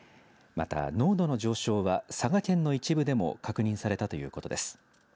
また濃度の上昇は佐賀県の一部でも確認されたということです。